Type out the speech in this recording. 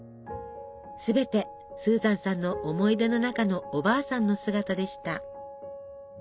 すべてスーザンさんの思い出の中のおばあさんの姿でした。